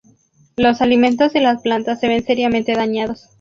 Los alimentos y las plantas se ven seriamente dañados.